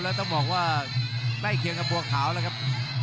แล้วต้องบอกว่าใกล้เคียงกับบัวขาวแล้วครับ